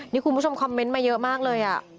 นี่คุณผู้ชมคอมเมนต์มาเยอะมากเลย